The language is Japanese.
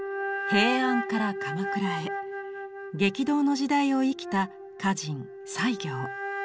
平安から鎌倉へ激動の時代を生きた歌人西行。